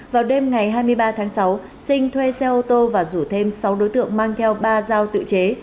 vào đêm ngày hai mươi ba tháng sáu sinh thuê xe ô tô và rủ thêm sáu đối tượng mang theo ba dao tự chế